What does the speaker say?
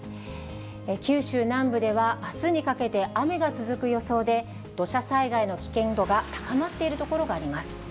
九州南部ではあすにかけて雨が続く予想で、土砂災害の危険度が高まっている所があります。